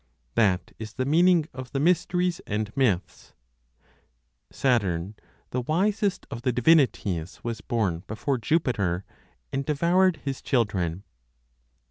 That is the meaning of the mysteries and myths; "Saturn, the wisest of the divinities, was born before Jupiter, and devoured his children."